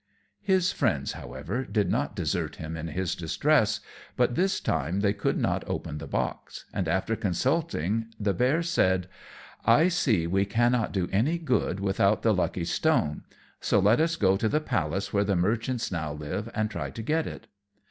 His friends, however, did not desert him in his distress, but this time they could not open the box; and, after consulting, the Bear said, "I see we cannot do any good without the lucky stone, so let us go to the palace where the merchants now live and try to get it."